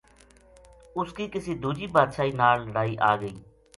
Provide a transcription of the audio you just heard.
اس کی کسی دو جی بادشاہی ناڑ لڑائی آ گئی